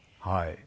はい。